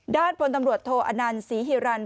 ด้านบนตำรวจโทอานันศรีฮิรันท์